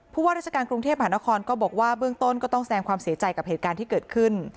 ว่าราชการกรุงเทพหานครก็บอกว่าเบื้องต้นก็ต้องแสงความเสียใจกับเหตุการณ์ที่เกิดขึ้น